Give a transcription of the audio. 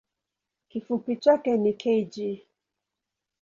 Kifupi chake ni kg.